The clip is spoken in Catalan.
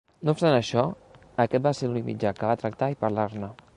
No obstant això, aquest va ser l'únic mitjà que va tractar i parlar-ne.